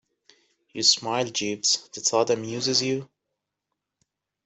You smile, Jeeves. The thought amuses you?